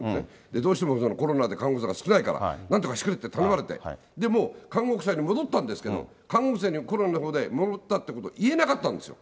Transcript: どうしてもコロナで看護婦さんが少ないから、なんとかしてくれって頼まれて、で、もう、看護婦さんに戻ったんですけど、看護婦さんにコロナのほうで戻ったってことを言えなかったんですよ。